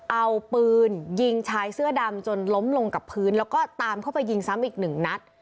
เอาปืนยิงชายเสื้อดำจนล้มลงกับพื้นแล้วก็ตามเข้าไปยิงซ้ำอีกหนึ่งนัด